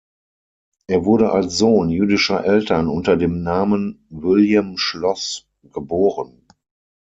Er wurde als Sohn jüdischer Eltern unter dem Namen "William Schloss" geboren.